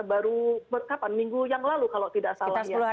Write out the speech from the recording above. baru minggu yang lalu kalau tidak salah